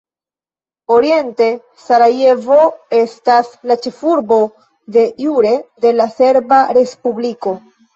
Orienta Sarajevo estas la ĉefurbo "de jure" de la Serba Respubliko.